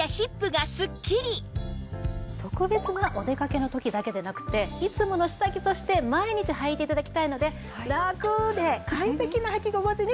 特別なお出かけの時だけでなくていつもの下着として毎日はいて頂きたいのでラクで快適なはき心地にこだわりました。